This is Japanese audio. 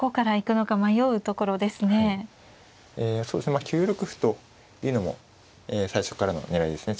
まあ９六歩というのも最初からの狙いですね。